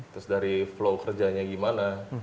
terus dari flow kerjanya gimana